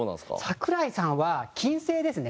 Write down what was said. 桜井さんは金星ですね。